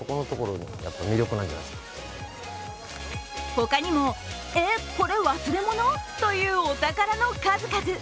他にも、えっ、これ忘れ物？というお宝の数々。